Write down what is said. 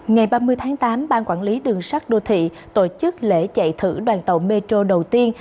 ngày ba mươi tháng tám ban quản lý đường sắt đô thị tổ chức lễ chạy thử đoàn tàu metro đầu tiên